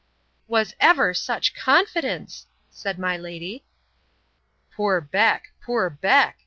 Was ever such confidence! said my lady.—Poor Beck! poor Beck!